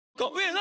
何？